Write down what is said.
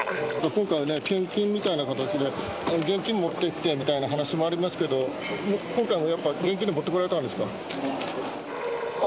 今回はね、献金みたいな形で、現金持ってきてみたいな話もありますけど、今回もやっぱ、現金を持ってこられたんですか？